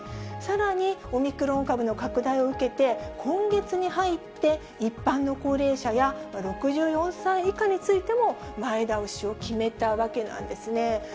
さらにオミクロン株の拡大を受けて、今月に入って、一般の高齢者や６４歳以下についても、前倒しを決めたわけなんですね。